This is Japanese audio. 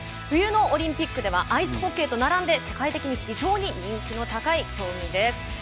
冬のオリンピックではアイスホッケーと並んで世界的に非常に人気の高い競技です。